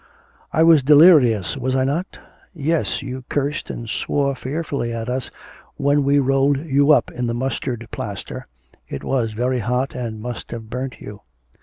'I was delirious, was I not?' 'Yes; you cursed and swore fearfully at us when we rolled you up in the mustard plaster. It was very hot, and must have burnt you.'